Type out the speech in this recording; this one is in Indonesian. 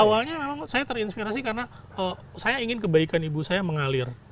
awalnya memang saya terinspirasi karena saya ingin kebaikan ibu saya mengalir